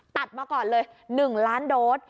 ตัดมาก่อนเลย๑ล้านโดส